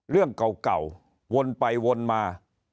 เรื่องเก่าวนไปวนมา